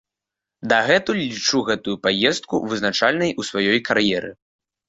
Дагэтуль лічу гэтую паездку вызначальнай у сваёй кар'еры.